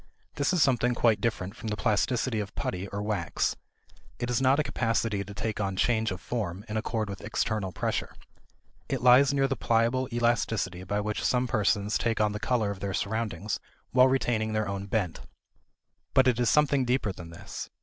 This is something quite different from the plasticity of putty or wax. It is not a capacity to take on change of form in accord with external pressure. It lies near the pliable elasticity by which some persons take on the color of their surroundings while retaining their own bent. But it is something deeper than this.